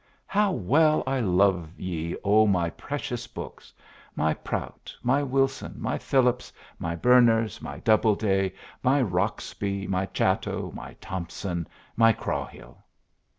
How well I love ye, O my precious books my Prout, my Wilson, my Phillips, my Berners, my Doubleday, my Roxby, my Chatto, my Thompson, my Crawhall!